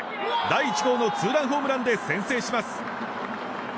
第１号のツーランホームランで先制します。